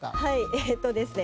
えっとですね